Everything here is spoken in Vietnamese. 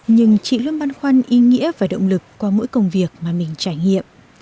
nhưng chị luôn băn khoăn ý nghĩa và động lực qua mỗi công việc mà mình trải nghiệm